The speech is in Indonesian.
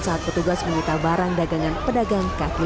saat petugas mencinta barang dagangan pedagang k lima